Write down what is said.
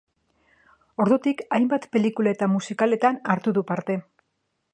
Ordutik hainbat pelikula eta musikaletan hartu du parte.